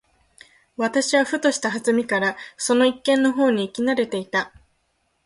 私はふとした機会（はずみ）からその一軒の方に行き慣（な）れていた。